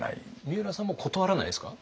みうらさんも断らないですか？